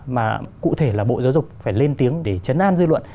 mà cụ thể là bộ giáo dục phải lên tiếng để chấn an dư luận